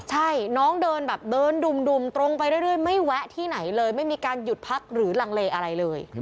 ใช่น้องเดินแบบเดินดุ่มตรงไปเรื่อยไม่แวะที่ไหนเลยไม่มีการหยุดพักหรือลังเลอะไรเลย